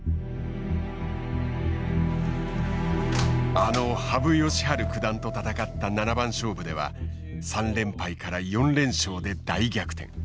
あの羽生善治九段と戦った七番勝負では３連敗から４連勝で大逆転。